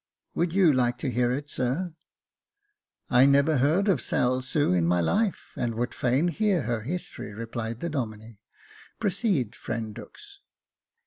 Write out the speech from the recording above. " Would you like to hear it, sir ?"" I never heard of Sail Sue in my life, and would fain hear her history," replied the Domine ;" proceed, friend Dux."